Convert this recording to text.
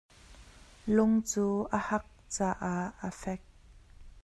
Lung cu a hak caah a fek.